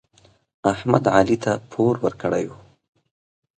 احمد علي ته پور ورکړی و.